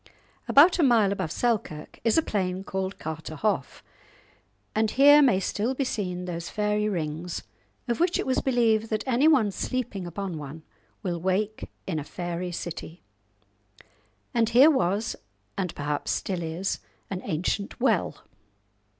About a mile above Selkirk is a plain called Carterhaugh, and here may still be seen those fairy rings of which it was believed that anyone sleeping upon one will wake in a fairy city. And here was, and perhaps still is, an ancient well.